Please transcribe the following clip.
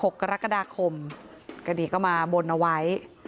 ๒๖กรกฎาคมกระดิกเข้ามาบนเอาไว้